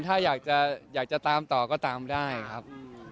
ถ้าอยากจะตามต่อก็ตามได้ครับ